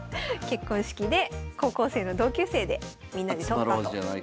結婚式で高校生の同級生でみんなで撮ったということです。